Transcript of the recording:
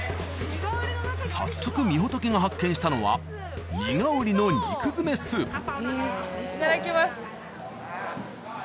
早速みほとけが発見したのはニガウリの肉詰めスープいただきます